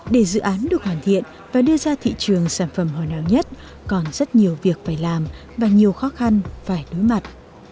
để dự án được hoàn thiện và đưa ra thị trường sản phẩm hồi nào nhất còn rất nhiều việc phải làm và nhiều khó khăn phải đối mặt